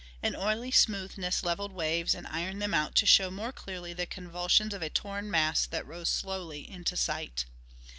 An oily smoothness leveled waves and ironed them out to show more clearly the convulsions of a torn mass that rose slowly into sight.